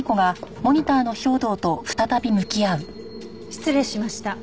失礼しました。